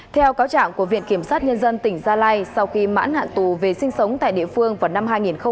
theo cáo trạng của viện kiểm sát nhân dân tỉnh gia lai sau khi mãn hạn tù về sinh sống tại địa phương vào năm hai nghìn một mươi